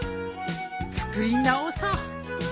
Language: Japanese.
作り直そう。